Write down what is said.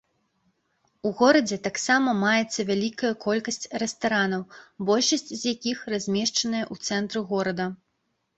У горадзе таксама маецца вялікая колькасць рэстаранаў, большасць з якіх размешчаныя ў цэнтры горада.